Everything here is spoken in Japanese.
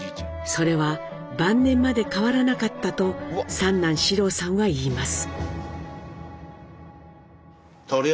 それは晩年まで変わらなかったと三男・志朗さんは言います。